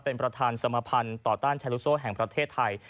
เป็นประธานสมภัณฑ์ต่อต้านแชร์ลูกโซ่แห่งประเทศไทย